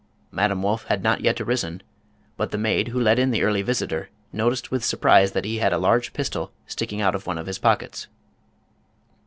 Madame Wolff had not yet arisen, but the maid who let in the early visitor noticed with surprise that he had a large pistol sticking out of one of his pockets.